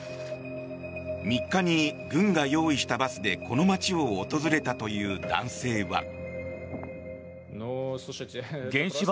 ３日に軍が用意したバスでこの街を訪れたという男性は。